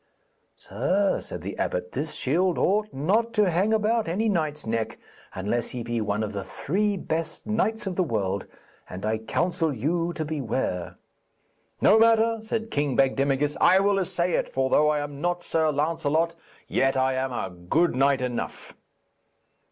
'Sir,' said the abbot, 'this shield ought not to hang about any knight's neck unless he be one of the three best knights of the world, and I counsel you to beware.' 'No matter,' said King Bagdemagus, 'I will essay it, for though I am not Sir Lancelot, yet I am a good knight enough.'